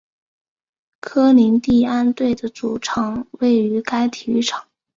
科林蒂安队的主场位于该体育场。